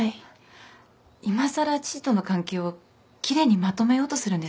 いまさら父との関係を奇麗にまとめようとするんですか？